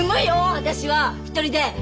私は１人で。